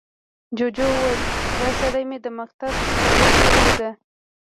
جوجو وويل، دا سړي مې د مکتب اداره کې ولید.